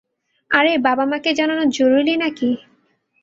আরে, বাবা-মাকে জানানো জরুরী নাকি!